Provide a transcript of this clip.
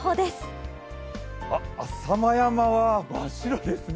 浅間山は真っ白ですね。